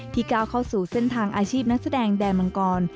ก้าวเข้าสู่เส้นทางอาชีพนักแสดงแดนมังกร